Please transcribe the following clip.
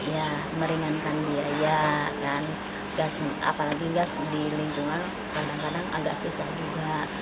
ya meringankan biaya dan gas apalagi gas di lingkungan kadang kadang agak susah juga